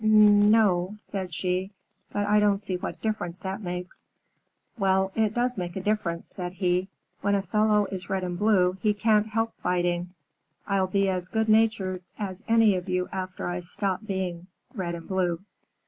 "N no," said she. "But I don't see what difference that makes." "Well, it does make a difference," said he. "When a fellow is red and blue, he can't help fighting. I'll be as good natured as any of you after I stop being red and blue."